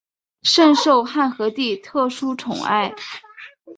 甚受汉和帝特殊宠爱。